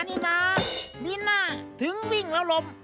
สีสันข่าวชาวไทยรัฐมาแล้วครับ